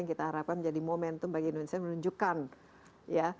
yang kita harapkan menjadi momentum bagi indonesia menunjukkan ya